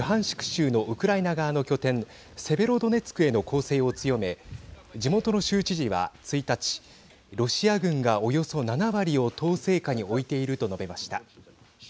州のウクライナ側の拠点セベロドネツクへの攻勢を強め地元の州知事は、１日ロシア軍がおよそ７割を統制下に置いていると述べました。